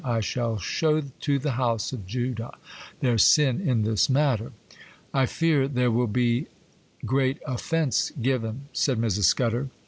I shall show to the house of Judah their sin in this matter.' 'I fear there will be great offence given,' said Mrs. Scudder.